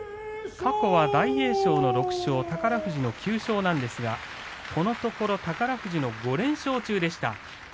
過去は大栄翔の６勝宝富士の９勝なんですがこのところ宝富士の５連勝中でした。